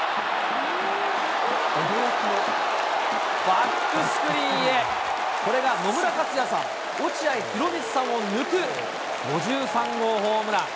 バックスクリーンへ、これが野村克也さん、落合博満さんを抜く５３号ホームラン。